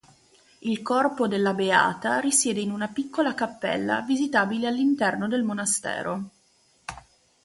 Il corpo della beata risiede in una piccola cappella visitabile all'interno del monastero.